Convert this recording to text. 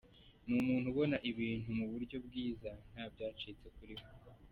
Ni umuntu ubona ibintu mu buryo bwiza nta byacitse kuri we.